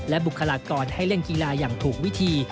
บุคลากรให้เล่นกีฬาอย่างถูกวิธี